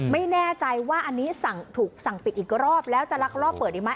ไม่แน่ใจว่าอันนี้ถูกสั่งปิดอีกรอบแล้วจะลักลอบเปิดอีกไหม